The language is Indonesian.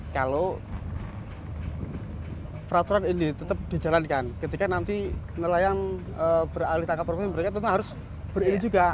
kalau peraturan ini tetap dijalankan ketika nanti nelayan beralih tangkap provinsi mereka tetap harus beriri juga